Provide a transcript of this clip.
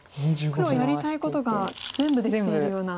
黒はやりたいことが全部できているような。